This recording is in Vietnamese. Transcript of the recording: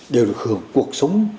đều được hưởng cuộc sống